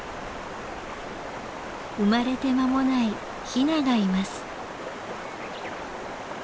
生まれてまもないヒナがいます。